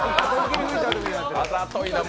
あざといなあ。